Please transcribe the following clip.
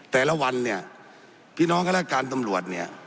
แต่ละวันเนี่ยพี่น้องฆาตการตำรวจเนี่ย